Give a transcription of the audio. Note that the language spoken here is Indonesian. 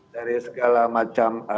dari segala macam